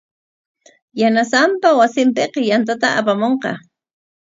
Yanasanpa wasinpik yantata apamunqa.